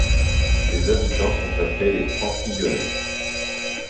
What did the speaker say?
Ses habitants sont appelés les Francillonnais.